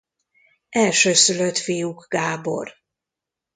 Elsőszülött fiuk Gábor.